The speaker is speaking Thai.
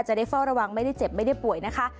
จะได้เฝ้าระวังไม่ได้เจ็บไม่ได้ป่วยนะคะ